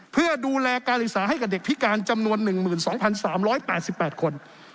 เพื่อดูแลการศึกษาให้กับเด็กพิการจำนวน๑๒๓๘๘คน